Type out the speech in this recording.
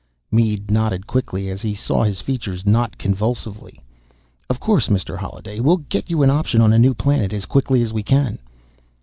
Mead nodded quickly as he saw his features knot convulsively. "Of course, Mr. Holliday. We'll get you an option on a new planet as quickly as we can."